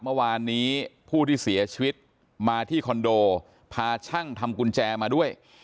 เมื่อวานนี้ผู้ที่เสียชีวิตมาที่คอนโดพาช่างทำกุญแจมาด้วย